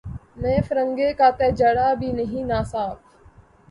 مے فرنگ کا تہ جرعہ بھی نہیں ناصاف